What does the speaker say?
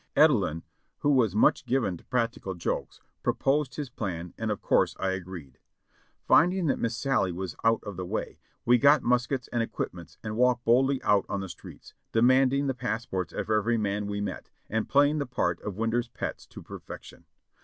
Edelin, who was much given to practical jokes, proposed his plan and of course I agreed. ENACTING THE ROLE OF JACK SHEPHERD 607 Finding that Miss Sallie was out of the way, we got muskets and equipments and walked boldly out on the streets, demanding the passports of every man we met, and playing the part of Wind er's pets to perfection.